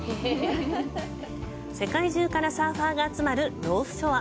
世界中からサーファーが集まるノースショア。